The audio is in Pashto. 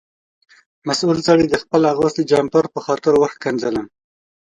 مسؤل سړي د خپل اغوستي جمپر په خاطر وښکنځلم.